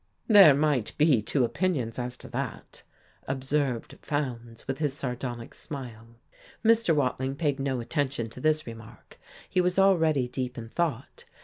"There might be two opinions as to that," observed Fowndes, with his sardonic smile. Mr. Watling paid no attention to this remark. He was already deep in thought.